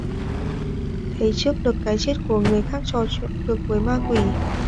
Thấy trước được cái chết của người khác trò chuyện được với ma quỷ